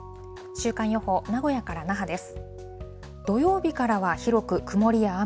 週間予報、名古屋から那覇です。